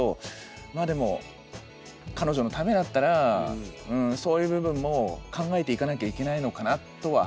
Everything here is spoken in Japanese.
まあでも彼女のためだったらそういう部分も考えていかなきゃいけないのかなとは。